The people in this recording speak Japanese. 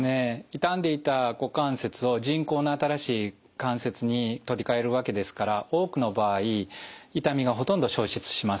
痛んでいた股関節を人工の新しい関節に取り替えるわけですから多くの場合痛みがほとんど消失します。